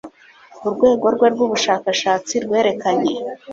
Urwego rwe rwubushakashatsi rwerekeranye